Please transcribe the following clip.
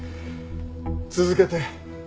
続けて。